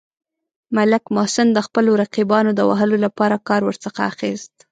ملک محسن د خپلو رقیبانو د وهلو لپاره کار ورڅخه اخیست.